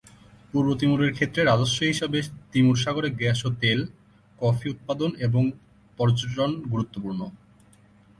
পূর্ব তিমুরের ক্ষেত্রে রাজস্ব হিসাবে তিমুর সাগরে গ্যাস ও তেল, কফি উৎপাদন এবং পর্যটন গুরুত্বপূর্ণ।